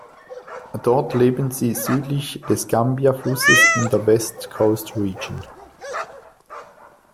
Dort leben sie südlich des Gambia-Flusses in der West Coast Region.